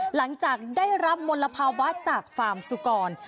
หลังจากได้รับมลภาวะจากฟาร์มสุกร